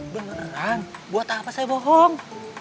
beneran buat apa saya bohong